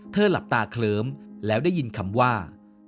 หลับตาเคลิ้มแล้วได้ยินคำว่า